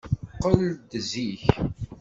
Qqel-d zik!